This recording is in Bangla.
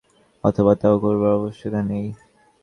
অথবা তাও করবার আবশ্যকতা নেই।